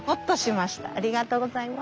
ありがとうございます。